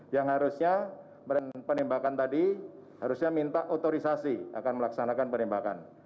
yang harusnya penembakan tadi harusnya minta otorisasi akan melaksanakan penembakan